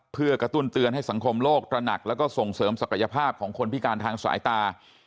เพื่อกระตุ้นเตือนให้สังคมโลกตระหนักแล้วก็ส่งเสริมศักยภาพของคนพิการทางสายตา